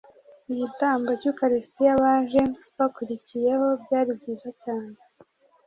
igitambo cy’ukarisitiya, baje bakurikiyeho. byari byiza cyane.